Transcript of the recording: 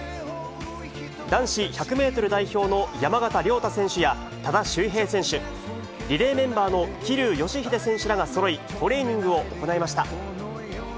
男子１００メートル代表の山縣亮太選手や、多田修平選手、リレーメンバーの桐生祥秀選手らがそろい、トレーニングを行いました。